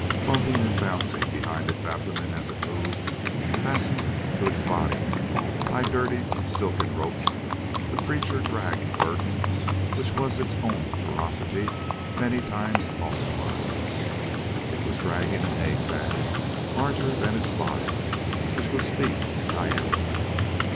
Bumping and bouncing behind its abdomen as it moved, fastened to its body by dirtied silken ropes, this creature dragged a burden which was its own ferocity many times multiplied. It was dragging an egg bag larger than its body which was feet in diameter.